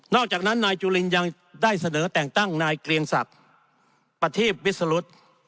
อกจากนั้นนายจุลินยังได้เสนอแต่งตั้งนายเกรียงศักดิ์ประทีพวิสรุธ